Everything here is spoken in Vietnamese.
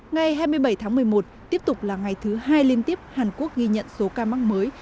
ngày hai mươi bảy tháng một mươi một tiếp tục là ngày thứ hai liên tiếp hàn quốc ghi nhận số ca mắc mới